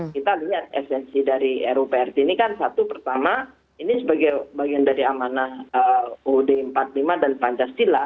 kita lihat esensi dari ruprt ini kan satu pertama ini sebagai bagian dari amanah uud empat puluh lima dan pancasila